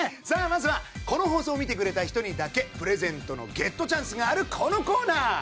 さあまずはこの放送を見てくれた人にだけプレゼントのゲットチャンスがあるこのコーナー。